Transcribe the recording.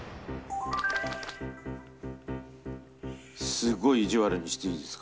すごい意地悪にしていいですか？